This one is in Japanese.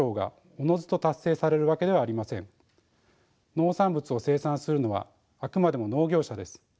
農産物を生産するのはあくまでも農業者です。